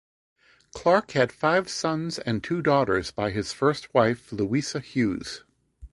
Clarke had five sons and two daughters by his first wife Louisa Hughes.